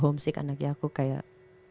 homesick anaknya aku kayak